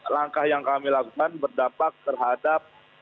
langkah yang kami lakukan berdampak terhadap